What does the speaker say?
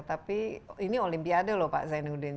tapi ini olimpiade loh pak zainuddin